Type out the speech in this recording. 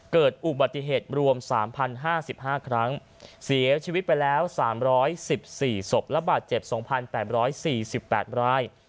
เกิดอุบัติเหตุรวม๓๐๕๕ครั้งเสียชีวิตไปแล้ว๓๑๔ศพและบาดเจ็บ๒๘๔๘ราย